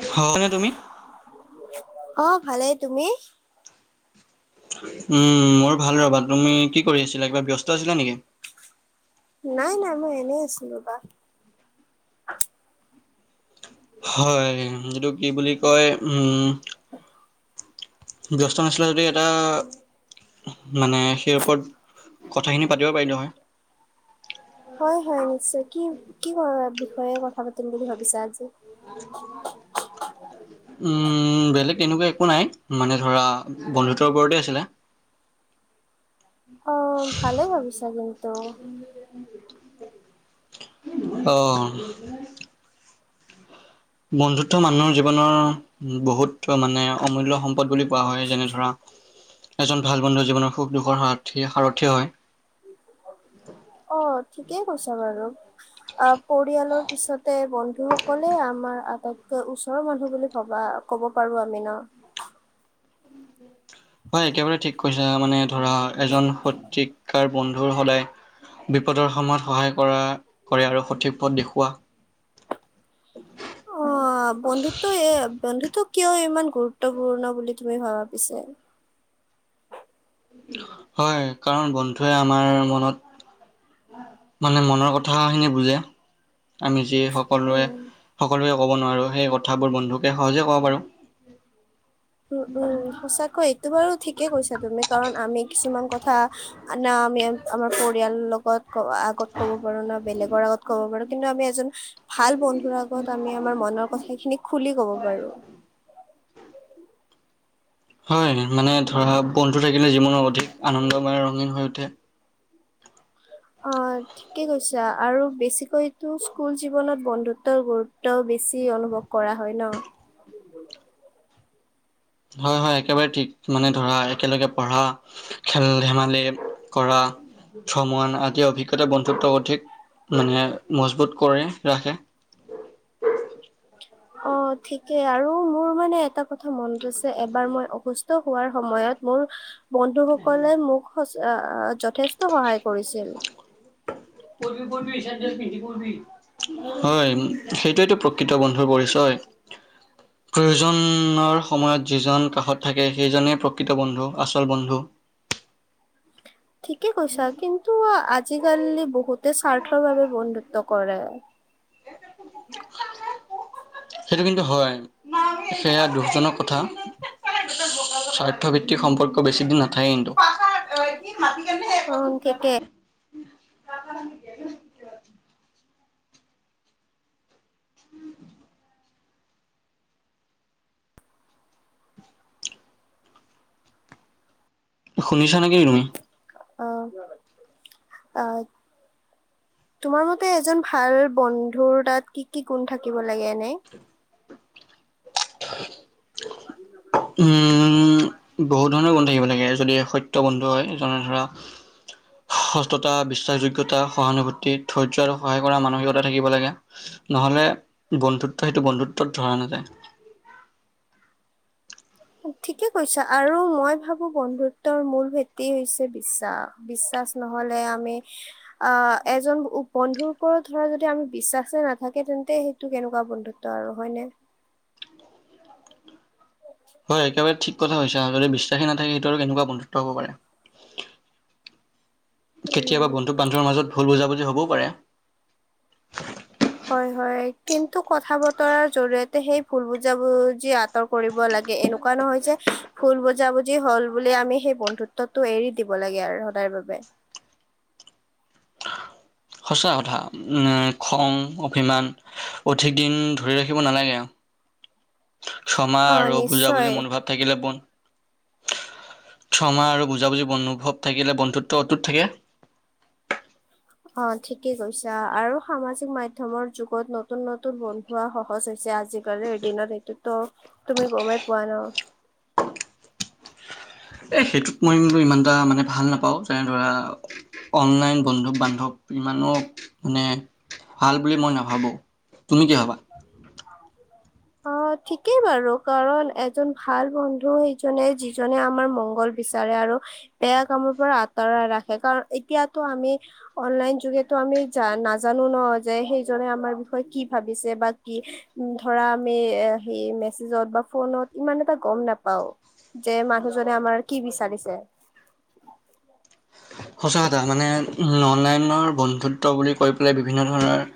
[unintelligible] তুমি? অ ভালেই। তুমি? উম মোৰ ভাল ৰবা। তুমি কি কৰি আছিলা? কিবা ব্যস্ত আছিলা নেকি? নাই নাই, মই এনেই আছিলো ৰবা। হয়, এইটো কি বুলি কয়? উম ব্যস্ত নাছিলা যদি এটা মানে সেই ওপৰত কথাখিনি পাতিব পাৰিলো হয়। হয় হয় নিশ্চয় কি কি [unintelligible] বিষয়ে কথা পাতিম বুলি ভাবিছা আজি? [unintelligible] উম বেলেগ তেনেকুৱা একো নাই, মানে ধৰা বন্ধুত্বৰ ওপৰতে আছিলে। অ, ভালে ভাবিছা কিন্তু। অ। বন্ধুত্ব মানুহ জীৱন বহুত মানে অমূল্যয় সম্পদ বুলি কোৱা হয়। যেনে ধৰা এজন ভাল বন্ধু জীৱনৰ সুখ দুখৰ সাৰ্থী সাৰথী হয়। অ, ঠিকেই কৈছা বাৰু। অ পৰিয়ালৰ পিছতে বন্ধু সকলে আমাৰ আটাইত ওচৰ মানুহ বুলি ভবা ক'ব পাৰো আমি ন। হয় একেবাৰে ঠিক কৈছা। মানে ধৰা এজন সঠিক কাৰ বন্ধুৰ হ'লে বিপদৰ সময়ত সহায় কৰা কৰে আৰু সঠিক পথ দেখুওৱা। অ বন্ধুত্ব এ বন্ধুত্ব কিয় ইমান গুৰুত্বপূৰ্ণ বুলি তুমি ভাবা পিছে? হয়, কাৰণ বন্ধুৱে আমাৰ মনত মানে মনৰ কথাখিনি বুজে। আমি যি সকলোৱে উম সকলোৱে ক'ব নোৱাৰো। সেই কথাবোৰ বন্ধুকে সহজে ক'ব পাৰোঁ। উম উম সঁচাকৈ এইটো বাৰু ঠিকে কৈছা তুমি কাৰণ আমি কিছুমান কথা না আমি আমাৰ পৰিয়াল লগত আগত ক'ব পাৰো ন। বেলেগৰ আগত ক'ব পাৰো কিন্তু আমি এজন ভাল বন্ধুৰ আগত আমি আমাৰ মনৰ কথা খিনি খুলি ক'ব পাৰো। হয় মানে ধৰা বন্ধু থাকিলে জীৱন অধিক আনন্দ ময় মানে ৰঙীন হৈ উঠে। অ। ঠিকে কৈছা আৰু বেছিকৈ তো স্কুল জীৱনত বন্ধুত্বৰ গুৰুত্ব বেছি অনুভৱ কৰা হয় ন? হয় হয় একেবাৰে ঠিক, মানে ধৰা একেলগে পঢ়া। খেল ধেমালি কৰা। ভ্ৰমণ আদি অভিজ্ঞতা বন্ধুত্ব অধিক মানে মজবুত কৰে ৰাখে। অ ঠিকে আৰু মোৰ মানে এটা কথা মনত আছে। এবাৰ মই অসু হোৱাৰ সময়ত মোৰ বন্ধুসকলে মোক সচ অ যত যথেষ্ট সহায় কৰিছিল। পৰিবি পৰিবি, চেন্দেল পিন্ধি পৰিবি। হয়, সেইটোৱেটো প্ৰকৃত বন্ধুৰ পৰিচয়। প্ৰয়োজনৰ সময়ত যিজন কাষত থাকে, সেইজনে প্ৰকৃত বন্ধু আচল বন্ধু। ঠিকে কৈছা কিন্তু আজিকালি বহুতে স্বাৰ্থৰ বাবে বন্ধুত্ব কৰে। সেইটো কিন্তু হয়। সেয়া দুখজনক কথা। স্বাৰ্থ ভিত্তিক সম্পৰ্ক বেছিদিন নাথাকে কিন্তু। [unintelligible] অঁ ঠিকে। [inaudible] শুনিছা নেকি তুমি? অ অ। তোমাৰ মতে এজন ভাল বন্ধুৰ তাত কি কি গুণ থাকিব লাগে এনে? উম বহুত ধৰণৰ গুণ থাকিব লাগে যদি সত ত বন্ধু হয় যেনে ধৰা সস্ততা, বিশ্বাসযোগ্যতা, সহানুভূতি, ধৈৰ্য আৰু সহায় কৰা মানসিকতা থাকিব লাগে। নহলে বন্ধুত্ব সেইটো বন্ধুত্বত ধৰা নাযায়। ঠিকে কৈছা, আৰু মই ভাবো বন্ধুত্বৰ মূল ভেটি হৈছে বিশ্বাস। বিশ্বাস নহলে আমি আহ এজন বন্ধুৰ ওপৰত ধৰা যদি আমি বিশ্বাসে নাথাকে তেন্তে সেইটো কেনেকুৱা বন্ধুত্ব ত আৰু হয়নে? হয় একেবাৰে ঠিক কথা কৈছা, যদি বিশ্বাসী নাথাকে সেইটো আৰু কেনেকুৱা বন্ধুত্ব হব পাৰে। কেতিয়াবা উম। বন্ধু বান্ধৱৰ মাজত ভুল বুজাবুজি হ'বও পাৰে। হয় হয় কিন্তু কথা বতৰাৰ জৰিয়তে সেই ভুল বুজাবুজি আত তৰ কৰিব লাগে, এনেকুৱা নহয় যে ভুল বুজাবুজি হল বুলি আমি সেই বন্ধুত্বটো এৰি দিব লাগে আৰু সদায়ৰ বাবে। সঁচা কথা উম খং, অভিমান অধিক দিন ধৰি ৰাখিব নালাগে আও। ক্ষমা অ আৰু নিশ্চয় বুজাবুজি মূলভাৱ থাকিলে বন ক্ষমা আৰু বুজাবুজি অনুভৱ থাকিলে বন্ধুত্ব অটুত থাকে। অঁ ঠিকেই কৈছা, আৰু সামাজিক মাধ্যমৰ যুগত নতুন নতুন বন পোৱা সহজ হৈছে আজিকালিৰ দিনত, এইটোতো তুমি গমেই পোৱা ন। এই সেইটোত মই ইমান এটা মানে ভাল নাপাওঁ, যেনে ধৰা অনলাইন বন্ধু বান্ধৱ ইমানো মানে ভাল বুলি মই নেভাবো, তুমি কি ভবা? অঁ ঠিকেই বাৰু কাৰণ এজন ভাল বন্ধু সেইজনে যিজনে আমাৰ মংগল বিচাৰে আৰু বেয়া কামৰ পৰা আঁতৰাই ৰাখে, কাৰণ এতিয়াতো আমি অনলাইন যোগে আমি জা নাজানো ন যে সেইজনে আমাৰ বিষয়ে কি ভাবিছে বা কি ধৰা আমি এ সেই মেছেজত বা ফোনত ইমান এটা গম নেপাওঁ। যে মানুহজনে আমাৰ কি বিচাৰিছে। সঁচা কথা মানে অনলাইনৰ বন্ধুত্ব বুলি কৈ লে বিভিন্ন ধৰণৰ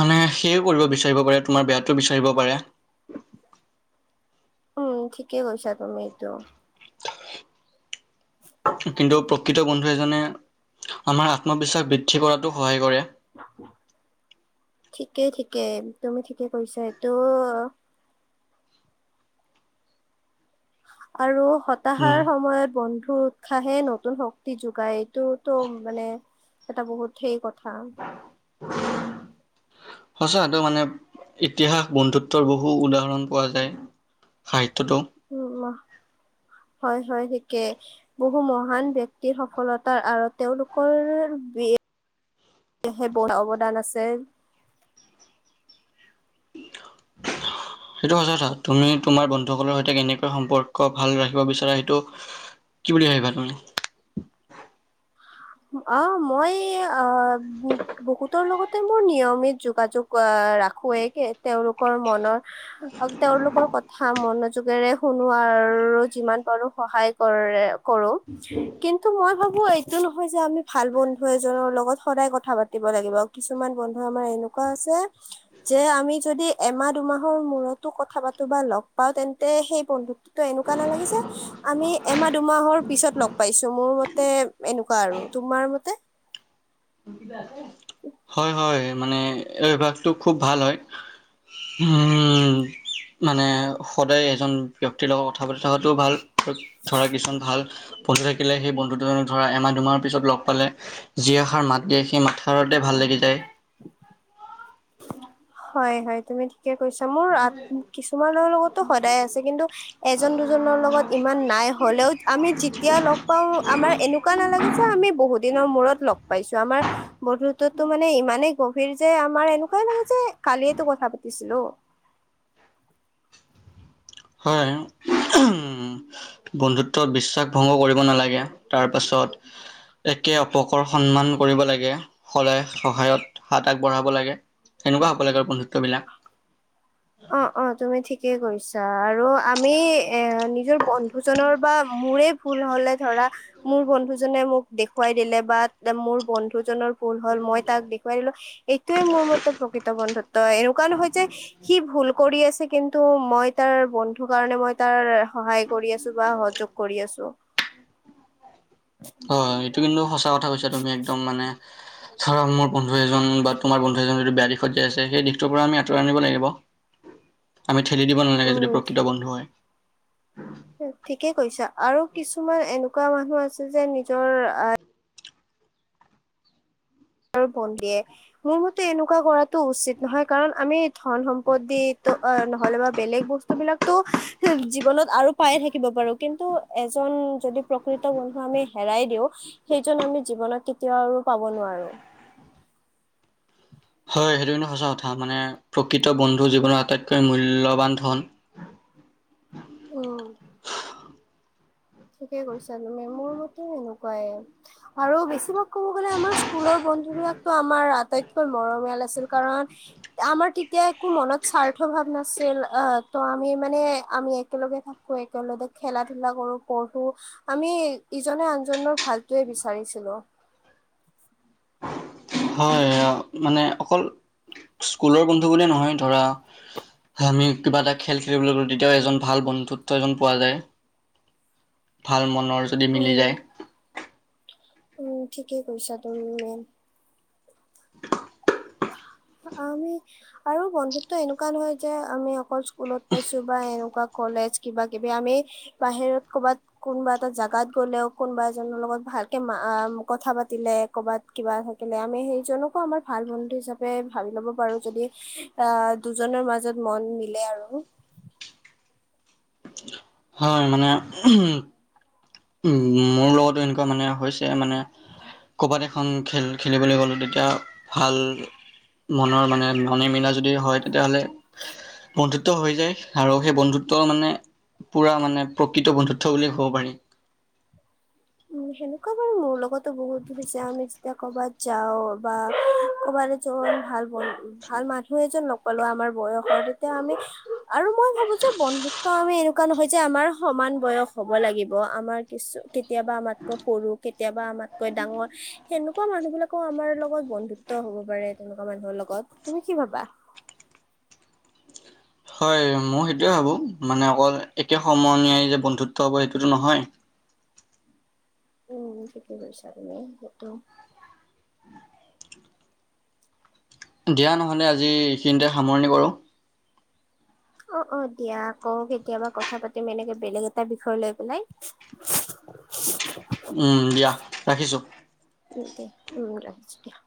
মানে সেইও কৰিব বিচাৰিব পাৰে তোমাৰ বেয়াটো বিচাৰিব পাৰে। উম ঠিকে কৈছা তুমি এইটো। কিন্তু প্ৰকৃত বন এজনে আমাৰ আত্মবিশ্বাস বৃদ্ধি কৰাতো সহায় কৰে। ঠিকেই-ঠিকেই তুমি ঠিকে কৈছা এইটো আৰু উম হতাহাৰ সময়ত বন্ধু উৎসাহে নতুন শক্তি যোগায় এইটোতো মানে এটা বহুত হেই কথা। [inaudible] সঁচা টো মানে ইতিহাস বন্ধুত্বৰ বহু উদাহৰণ পোৱা যায়। সাহিত্যটো উম ম হয়-হয় ঠিকে। বহু মহান ব্যক্তিৰ সফলতা আৰত তেওঁলোকৰ বি শেষ অৱদা-অৱদান আছে। [inaudible] সেইটো সঁচা কথা। তুমি তোমাৰ বন্ধুসকলৰ সৈতে কেনেকৈ সম্পৰ্ক ভাল ৰাখিব বিচাৰা সেইটো কি বুলি ভাবিবা তুমি? অ মই আ বহুতৰ লগত তোমাৰ নিয়মিত যোগাযোগ আহ ৰাখোৱেই। কে তেওঁলোকৰ মনৰ অ, তেওঁলোকৰ কথা মনোযোগেৰে শুনো আৰু যিমান পাৰোঁ সহায় কৰে। কৰোঁ, কিন্তু মই ভাবো এইটো নহয় যে আমি ভাল বন্ধু এজনৰ লগত সদায় কথা পাতিব লাগিব। কিছুমান বন্ধু আমাৰ এনেকুৱা আছে যে, আমি যদি এমাহ দুমাহৰ মূৰতো কথা পাতো বা লগ পাওঁ, তেন্তে সেই বন্ধু টো এনেকুৱা নালাগে যে, আমি এমাহ দুমাহৰ পিছত লগ পাইছোঁ। মোৰ মতে এনে কুৱা আৰু, তোমাৰ মতে? [inaudible] হয় হয়, মানে এই অভ্যাসটো খুব ভাল হয়। হুম মানে সদায় এজন ব্যক্তিৰ লগত কথা পাতি থকাটোও ভাল। ধৰা কিছুমান ভাল [unintelligible] থাকিলে, সেই বন্ধু দুজনক ধৰা, এমাহ দুমাহৰ পিছত লগ পালে, যি এষাৰ মাত দিয়ে সেই মাতষাৰত ভাল লাগি যায়। হয় হয়, তুমি ঠিকে কৈছা, মোৰ আ কিছুমানৰ লগতটো সদায় আছে, কিন্তু এজন দুজনৰ লগত ইমান নাই হ'লেও, আমি যেতিয়া লগ পাওঁ। আমাৰ এনেকুৱা নালাগে যে আমি বহুত দিনৰ মূৰত লগ পাইছো, আমাৰ বন্ধুত্বতো মানে ইমানেই গভীৰ যে, আমাৰ এনেকুৱাই লাগে যে কালিয়েতো কথা পাতিছিলোঁ। হয়। [unintelligible] বন্ধুত্বত বিশ্বাস ভংগ কৰিব নালাগে। তাৰপাছত একে অপকৰ সন্মান কৰিব লাগে। সদায় সহায়ত হাত আগবঢ়াব লাগে। এনেকুৱা হ'ব লাগে বন্ধুত্ব বিলাক। অ', অ', তুমি ঠিকেই কৈছা। আৰু আমি এ নিজৰ বন্ধুজনৰ বা মোৰেই ভুল হ'লে ধৰা, মোৰ বন্ধুজনে মোক দেখুৱাই দিলে বা দে মোৰ বন্ধুজনৰ ভুল হ'ল মই তাক দেখুৱাই দিলোঁ। এইটোয়ে মোৰ মতে প্ৰকৃত বন্ধুত্ব। এনেকুৱা নহয় যে সি ভুল কৰি আছে, কিন্তু মই তাৰ বন্ধু কাৰণে মই তাৰ সহায় কৰি আছোঁ বা সহযোগ কৰি আছোঁ। হয়, এইটো কিন্তু সঁচা কথা কৈছা তুমি একদম। মানে ধৰা, মোৰ বন্ধু এজন বা তোমাৰ বন্ধু এজন যদি বেয়া দিশত যাই আছে, সেই দিশটোৰ পৰা আমি আঁতৰাই আনিব লাগিব। আমি ঠেলি দিব নালাগে, উম যদি প্ৰকৃত বন্ধু হয়। ঠিকেই কৈছা। আৰু কিছুমান এনেকুৱা মানুহ আছে যে নিজৰ আ আৰু [unintelligible] দিয়ে, মোৰ মতে এনেকুৱা কৰাটো উচিত নহয়। কাৰণ আমি ধন সম্পত্তি ত অ', নহ'লে বা বেলেগ বস্তু বিলাকটো জীৱনত আৰু পাই থাকিব পাৰোঁ, কিন্তু এজন যদি প্ৰকৃত বন্ধু আমি হেৰাই দিওঁ সেইজন আমি জীৱনত কেতিয়াও আৰু পাব নোৱাৰো। হয়, সেইটো কিন্তু সঁচা কথা। মানে প্ৰকৃত বন্ধু জীৱনৰ আটাইতকৈ মূল্যবান ধন। উম ঠিকে কৈছা তুমি, মোৰ মতে এনেকুৱাই। আৰু বেছিভাগ ক'ব গ'লে, আমাৰ স্কুলৰ বন্ধু বিলাকতো আমাৰ আটাইতকৈ মৰমিয়াল আছিল। কাৰণ আমাৰ তেতিয়া একো মনত স্বাৰ্থ ভাৱ নাছিল, আ ত' আমি মানে আমি একেলগে থাকো [unintelligible] একেলগে খেলা-ধূলা কৰো। পঢ়ো, আমি ইজনে আনজনৰ ভালটোৱেই বিচাৰিছিলো। হয়, মানে অকল স্কুলৰ বন্ধু বুলি নহয়, ধৰা আমি কিবা এটা খেল খেলিবলৈ গ'লো, তেতিয়াও এজন ভাল বন্ধুত্ব এজন পোৱা যায়। ভাল মনৰ যদি মিলি উম যায়। উম, ঠিকেই কৈছা তুমি মেইন। আমি আৰু বন্ধুত্ব এনেকুৱা নহয় যে, আমি অকল স্কুলত পাইছো বা এনেকুৱা কলেজ কিবা-কিবি আমি বাহিৰত ক'বাত কোনোবা এটা জাগাত গ'লেও, কোনোবা এজনৰ লগত ভালকে এ কথা পাতিলে, ক'বাত কিবা থাকিলে, আমি সেইজনকো আমাৰ ভাল বন্ধু হিচাপে ভাবি ল'ব পাৰো যদি আহ দুজনৰ মাজত মন মিলে আৰু। হয় মানে [unintelligible] উম মোৰ লগতো এনেকুৱা মানে হৈছে মানে ক'ৰবাত এখন খেল খেলিবলৈ গ'লে তেতিয়া ভাল মনৰ মানে মনে মিলা যদি হয় তেতিয়াহ'লে [unintelligible] হৈ যায় আৰু সেই বন্ধুত্ব মানে পুৰা মানে প্ৰকৃত বন্ধুত্ব বুলিয়ে ক'ব পাৰি। উ সেনেকুৱা বাৰু মোৰ লগতো বহুত হৈছে আমি যেতিয়া কৰ'বাত যাও বা ক'ৰবাত [unintelligible] ভাল মানুহ এজন লগ পালো আমাৰ বয়সৰ তেতিয়া আমি আৰু মই ভাবো যে বন্ধুত্ব আমি এনেকুৱা নহয় যে আমাৰ সমান বয়স হ'ব লাগিব আমাৰ কিছু কেতিয়াবা আমাতকৈ সৰু কেতিয়াবা আমাতকৈ ডাঙৰ সেনেকুৱা মানুহ বিলাক আকৌ আমাৰ লগত বন্ধুত্ব হ'ব পাৰে তেনেকুৱা মানুহৰ লগত তুমি কি ভাবা? হয় ময়ো সেইটোৱে ভাবোঁ মানে, একে সমনীয়াই যে বন্ধুত্ব হ'ব সেইটোতো নহয়। উম ঠিকেই কৈছা তুমি সেইটো। দিয়া নহ'লে আজি এইখিনিতে সামৰণি কৰোঁ। অ' অ' দিয়া আকৌ কেতিয়াবা কথা পাতিম এনেকে বেলেগ এটা বিষয় লৈ পেলাই। [inaudible] উম দিয়া ৰাখিছো। উম দে ৰাখিছো দিয়া।